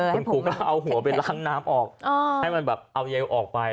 คุณครูก็เอาหัวไปล้างน้ำออกให้มันแบบเอาเยลออกไป